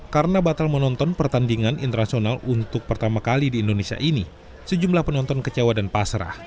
karena batal menonton pertandingan internasional untuk pertama kali di indonesia ini sejumlah penonton kecewa dan pasrah